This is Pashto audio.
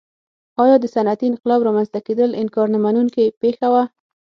ایا د صنعتي انقلاب رامنځته کېدل انکار نه منونکې پېښه وه.